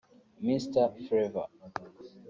Mr Flavour